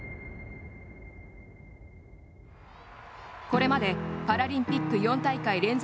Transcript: これまで、パラリンピック４大会連続